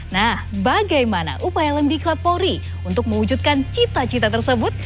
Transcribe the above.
nah bagaimana upaya lemdiklat polri untuk mewujudkan cita cita tersebut